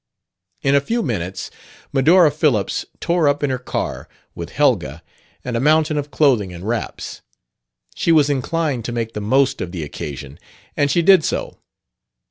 In a few minutes Medora Phillips tore up in her car, with Helga and a mountain of clothing and wraps. She was inclined to make the most of the occasion, and she did so.